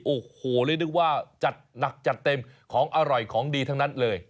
โอ้โหเรียกได้ว่าจัดหนักจัดเต็มของอร่อยของดีทั้งนั้นเลย